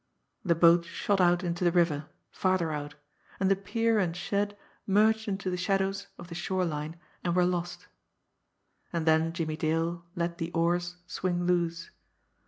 The boat shot out into the river farther out and the pier and shed merged into the shadows of the shore line and were lost. And then Jimmie Dale let the oars swing loose.